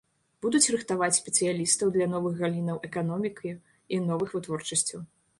Будуць рыхтаваць спецыялістаў для новых галінаў эканомікі і новых вытворчасцяў.